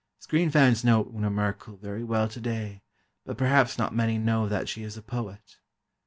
Screen fans know Una Merkel very well today, but perhaps not many know that she is a poet.